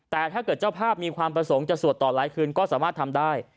แต่ถ้าเกิดเจ้าภาพมีความประสงค์จะสวดต่อหลายคืนก็สามารถทำได้